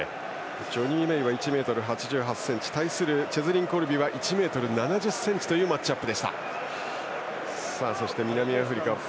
ジョニー・メイは１ｍ８８ｃｍ対するチェズリン・コルビは１ｍ７０ｃｍというマッチアップ。